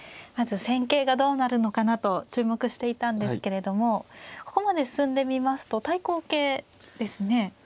まず戦型がどうなるのかなと注目していたんですけれどもここまで進んでみますと対抗型ですね。